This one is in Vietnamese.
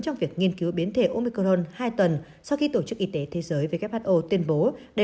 trong việc nghiên cứu biến thể omicron hai tuần sau khi tổ chức y tế thế giới who tuyên bố đã